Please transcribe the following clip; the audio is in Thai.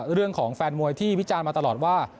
เรื่องของแฟนมวยที่วิจารณ์มาตลอดว่า